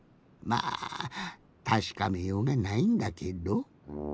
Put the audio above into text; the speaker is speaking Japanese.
まあたしかめようがないんだけど。